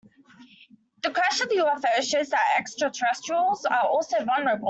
The crash of the UFO shows that extraterrestrials are also vulnerable.